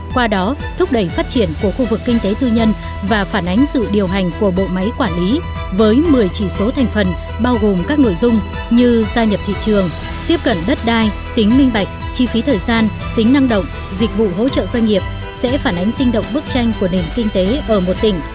qua đó thúc đẩy phát triển của khu vực kinh tế tư nhân và phản ánh sự điều hành của bộ máy quản lý với một mươi chỉ số thành phần bao gồm các nội dung như gia nhập thị trường tiếp cận đất đai tính minh bạch chi phí thời gian tính năng động dịch vụ hỗ trợ doanh nghiệp sẽ phản ánh sinh động bức tranh của nền kinh tế ở một tỉnh